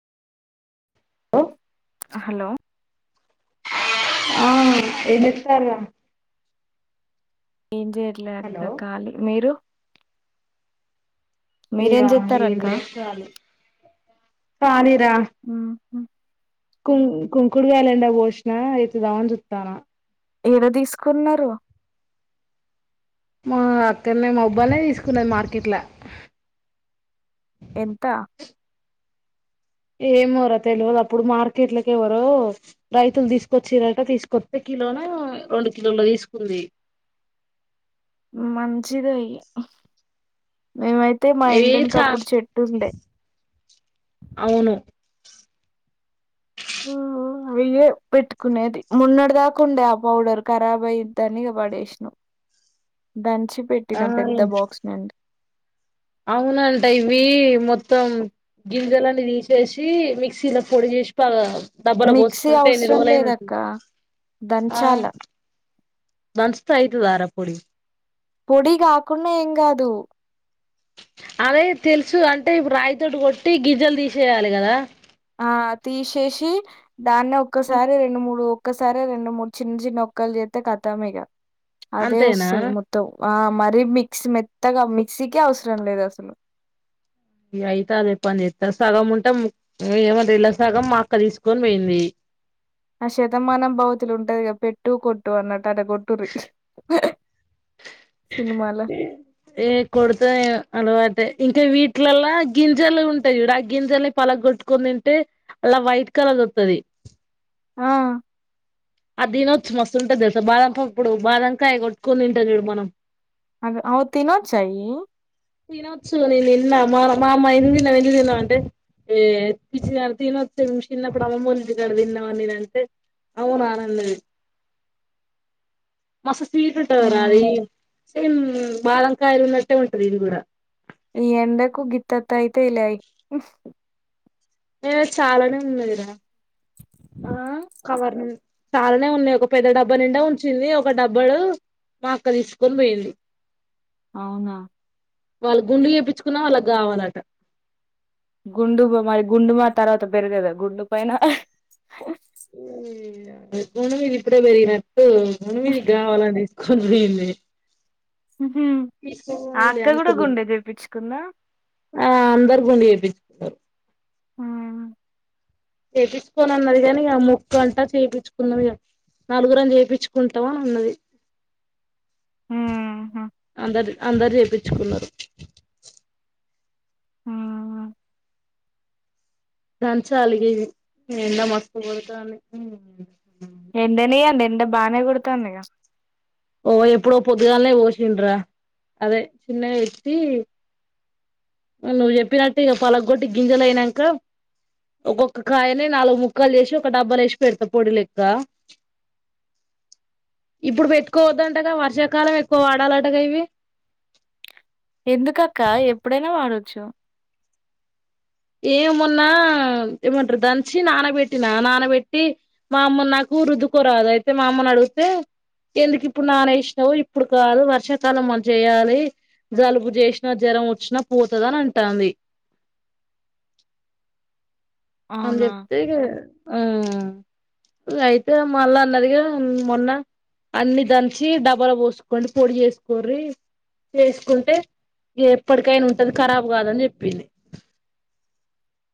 ఒ హలో ఆ ఎమిచ్చారా ఏం చేయట్లే హలో అక్క ఖాలీ మీరు ఇగ మీరేం చేత్తారు ఏం అక్క లేదు కాలి ఉ కుం కుంకుడుగాయలు ఎండ బోషినా అయితద అని చుతానా ఏడ తీసుకున్నరు మా అక్కడనే మోబ్బానే తీసుకున్న మార్కెట్ల ఎంత ఏమోరా తెలివదు అప్పుడు మార్కెట్లకెవ్వరో రైతులు తీసుకొచ్చిరట తీసుకొత్తే కిలోన రెండు కిలోలో తీసుకుంది మంచిదయి మేమైతే మా అవి ఇంటి ఎనక చా అప్పుడు చెట్టు ఉండే అవును అవియే పెట్టుకునేది మోన్నటి దాకా ఉండే ఆ పౌడర్ ఖరాబ్ అయ్యిద్ధని ఇగ పడేసిన దంచి పెట్టిన ఆ పెద్ద బాక్స్ నండ్ అవునంట ఇవి మొత్తం గింజలనీ తీసేసి మిక్సీలో పొడి చే ఇష్టా కదా డబ్బాలో మిక్సీ పోసుకుంటే ఎన్ని అవసరం రోజులైన లేదక్క ఉంటుంది దంచాల దించితే అయితాదా రా పొడి పొడి కాకుండా ఏం కాదు అదే తెలుసు అంటే ఇప్పుడు రాయితోటి కొట్టి గిజ్జలు తీసేయాలి కదా ఆ తీసేసి దాన్నే ఒక్కసారి రెండు మూడు ఒక్కసారి రెండు మూడు చిన్న చిన్న ఒక్కలు చెత్తే కథమిగ అదే అంతేనా వస్తది మొత్తం ఆ మరీ మిక్స్ మెత్తగా మిక్సీకి అవసరం లేదు అసలు ఈ అయిత అదే పని చెత్తా సగం ఉంటం ఏమంటే ఇళ్ళ సగం మా అక్క తీసుకొని పోయింది ఆ శతమానం భౌతులు ఉంటదిగా పెట్టు కొట్టు అన్నట్టు అట కొట్టురి ఏ కొడతా నేను అల్వా ఇంకా వీటిలల్లా గింజలు ఉంటయి చూడు ఆ గింజల్ని పలగొట్టుకొని తింటే అల్లా వైట్ కలర్ది వత్తది. ఆ అదినచ్చు మస్తుంటుది తెలుసా. బాదంపప్పుడు బాదంకాయ కొట్టుకొని తింటం చూడు మనం. అగో అవ్ తినోచ్చా ఇయి. తినొచ్చు నేను తిన్నా. మా మా అమ్మా ఎందుకు తిన్నవు ఎందుకు తిన్నవు అంటే ఏ పిచ్చిదాన తినొచ్చు. శిన్నప్పుడు అమ్మమ్మోల ఇంటికాడ తిన్నమని నేనంటే అవునా అ అన్నది. మస్త్ స్వీట్ ఉంటదిరా అది. సేమ్ బాదంకాయలు ఉన్నట్టే ఉంటది ఇది కూడా. ఈ ఎండకు గిత్తతయిలే అయి. నేను చాలానే ఉన్నది రా. కవర్ చాలానే ఉన్నయి, ఒక పెద్ద డబ్బా నిండా ఉంచింది ఒక డబ్బడు మా అక్క తీసుకొనిపోయింది. అవునా వాళ్ళు గుండు చేపిచుకున్నా వాళ్ళకు కావాలట. గుండు మరి గుండు మా తర్వాత పెరుగదా గుండు పైన. గుండు మీద ఇప్పుడే పెరిగినట్టు గుండు మీదికి కావాలని ఖూల్ పోయింది. తీస్క ఆ పోనీలే అక్క కూడా అనుకుర్రు. గుండె చేపించుకుందా ఆ అందరు గుండు చేపి ఆహా చెపిచ్కోను అన్నది కాని ఇగా మొక్కు అంటా చేపిచుకున్నది ఇగ. నలుగురం చేపిచ్చుకుంటం అని అన్నది. అందరు అందరు చేపిచ్చుకున్నరు. ఆ దంచాలి ఇగ ఇవి. ఎండా మస్త్ కొడతాంది. ఎండనీయండి ఎండ బానేే కొడుతాందిగా. ఓ ఎప్పుడో పొద్దుగాలనే పోశిండ్రా అదే చిమ్న పెట్టి నువ్వు చెప్పినట్టె ఇగ పలగొట్టి గింజలు అయినంకా ఒక్కొక్క కాయని నాలుగు ముక్కలు చేశి ఒక డబ్బలేశి పెడతా పొడి లెక్క. ఇప్పుడు పెట్టుకోవద్దంటగా వర్షాకాలం ఎక్కువ వాడాలటగా ఇవి. ఎందుకు అక్కా ఎప్పుడైనా వాడొచ్చు. ఏ మోన్నా ఏమంటరు దంచి నానబెట్టినా, నానబెట్టి మా అమ్మను నాకు కురుద్దుకోరాదు అయితే మా అమ్మను అడుగుతే ఎందుకు ఇప్పుడు నానేశినవు, ఇప్పుడు కాదు వర్షాకాలం మన చేయాలి. జలుబు చేశినా, జరం వచ్చినా పోతదని అంటాంది. అని అవునా? చెప్తేగా అయితే ఇగ మళ్ళా అన్నది గా మొన్న అన్ని దంచి డబ్బల పోసుకోండి పొడి చేసుకోర్రీ. చేసుకుంటే ఎప్పటికైనా ఉంటది, ఖరాబ్ కాదని చెప్పింది.